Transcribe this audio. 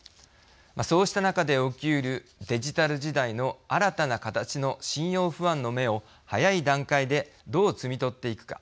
そうした中で起きうるデジタル時代の新たな形の信用不安の芽を早い段階でどう摘み取っていくか。